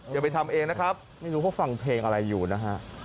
อย่าไปทำเองนะครับไม่รู้เขาฟังเพลงอะไรอยู่นะฮะ